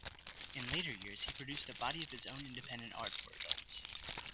In later years, he produced a body of his own independent art for adults.